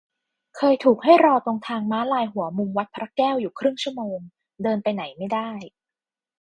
เคยถูกให้รอตรงทางม้าลายหัวมุมวัดพระแก้วอยู่ครึ่งชั่วโมง เดินไปไหนไม่ได้